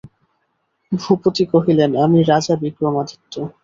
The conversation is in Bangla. ভূপতি কহিলেন, আমি রাজা বিক্রমাদিত্য।